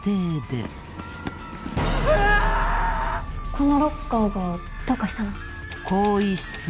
「このロッカーがどうかしたの？」